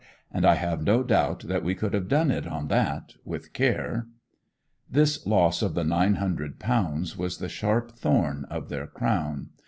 And I have no doubt that we could have done it on that, with care.' This loss of the nine hundred pounds was the sharp thorn of their crown.